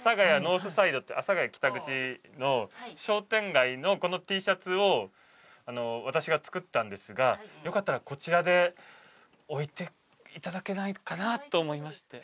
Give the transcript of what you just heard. ＡＳＡＧＡＹＡＮＯＲＴＨＳＩＤＥって阿佐谷北口の商店街のこのＴシャツを私が作ったんですがよかったらこちらで置いて頂けないかなと思いまして。